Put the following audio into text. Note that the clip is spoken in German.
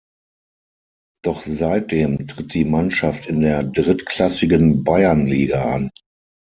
Doch seitdem tritt die Mannschaft in der drittklassigen Bayernliga an.